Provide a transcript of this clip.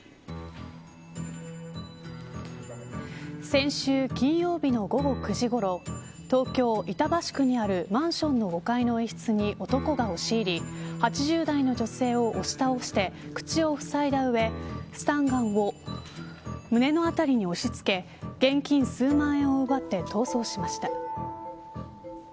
先週金曜日の午後９時ごろ東京・板橋区にあるマンションの５階の一室に男が押し入り８０代の女性を押し倒して口をふさいだ上スタンガンを胸の辺りに押し付け現金数万円を奪って逃走しました。